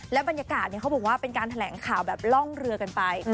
บรรยากาศเขาบอกว่าเป็นการแถลงข่าวแบบล่องเรือกันไป